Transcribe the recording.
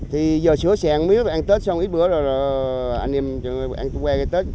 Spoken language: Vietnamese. thì giờ sửa xe ăn miếng ăn tết xong ít bữa rồi anh em quen cái tết